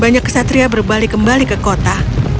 ketika mereka berada di kota kesatria mereka berbalik kembali ke kota